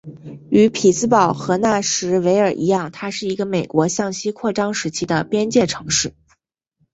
与匹兹堡和纳什维尔一样它是一个美国向西扩展时期的边界城市。